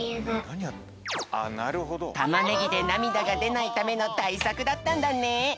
たまねぎでなみだがでないためのたいさくだったんだね！